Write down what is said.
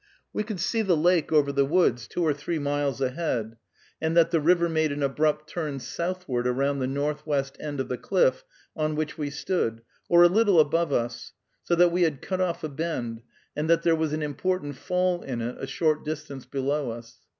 We could see the lake over the woods, two or three miles ahead, and that the river made an abrupt turn southward around the northwest end of the cliff on which we stood, or a little above us, so that we had cut off a bend, and that there was an important fall in it a short distance below us.